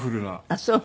あっそう。